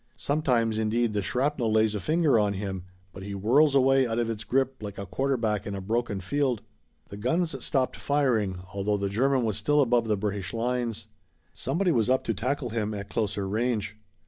Sometimes, indeed, the shrapnel lays a finger on him, but he whirls away out of its grip like a quarterback in a broken field. The guns stopped firing, although the German was still above the British lines. Somebody was up to tackle him at closer range.